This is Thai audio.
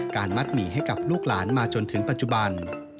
มัดหมี่ให้กับลูกหลานมาจนถึงปัจจุบัน